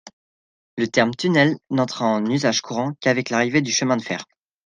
Le terme tunnel n'entrera en usage courant qu'avec l'arrivée du chemin de fer.